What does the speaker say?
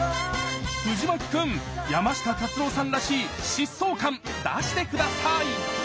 藤牧くん山下達郎さんらしい疾走感出して下さい！